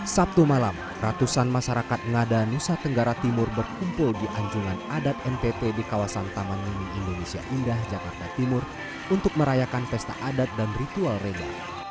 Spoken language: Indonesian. sabtu malam ratusan masyarakat ngada nusa tenggara timur berkumpul di anjungan adat npp di kawasan taman mini indonesia indah jakarta timur untuk merayakan pesta adat dan ritual reda